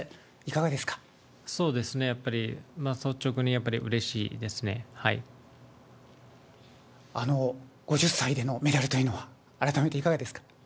そうですね、５０歳でのメダルというのは、改めていかがですか。